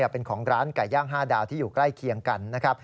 เป็นของร้านไก่ย่างห้าดาวที่อยู่ใกล้เคียงกัน